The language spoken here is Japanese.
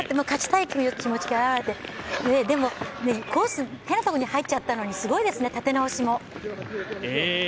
勝ちたいという気持ちが表れて、でも、コースが変なところに入っちゃったのにすごいですね、立て直しも。